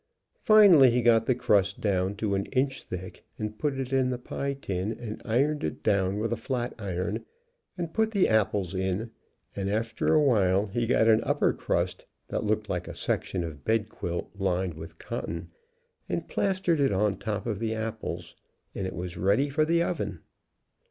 Finally he got the crust down to an inch thick and put it in the pie tin and ironed it down with a flat iron and put the apples in, and after a while he got an upper crust that looked like a section of bed quilt lined with cotton, and plastered it on top of the apples, and it was ready for the oven.